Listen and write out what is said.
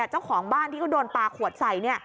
เจ้าของบ้านที่เขาโดนปลาขวดใส่